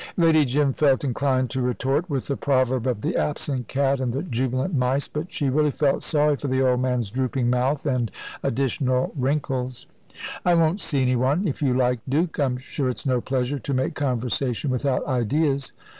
Lady Jim felt inclined to retort with the proverb of the absent cat and the jubilant mice, but she really felt sorry for the old man's drooping mouth and additional wrinkles. "I won't see any one, if you like, Duke I'm sure it's no pleasure to make conversation without ideas.